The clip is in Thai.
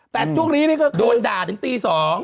แต่ช่วงนี้ควรดอนด่าถึงตี๒